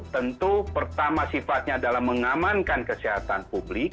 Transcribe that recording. tentu pertama sifatnya adalah mengamankan kesehatan publik